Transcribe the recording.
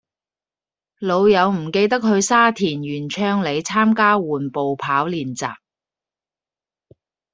老友唔記得去沙田源昌里參加緩步跑練習